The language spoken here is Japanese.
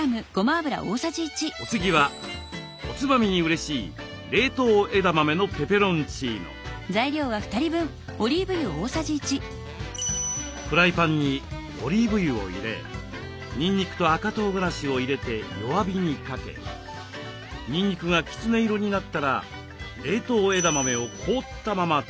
お次はおつまみにうれしいフライパンにオリーブ油を入れにんにくと赤とうがらしを入れて弱火にかけにんにくがきつね色になったら冷凍枝豆を凍ったまま投入。